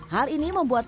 hal ini membuat